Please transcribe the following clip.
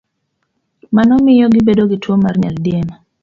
Mano miyo gibedo gi tuwo mar nyaldiema.